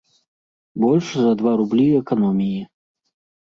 Больш за два рублі эканоміі.